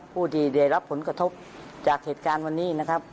ผู้ที่ได้รับผลกระทบจากเหตุการณ์วันนี้นะครับ